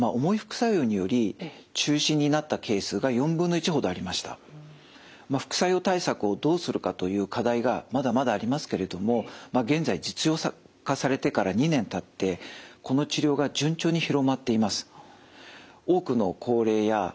一方で副作用対策をどうするかという課題がまだまだありますけれども現在実用化されてから２年たってこの治療が順調に広まっています。